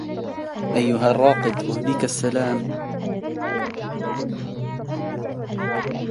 أيها الراقد أهديك السلام